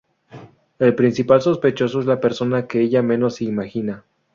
El principal sospechoso es la persona que ella menos imagina.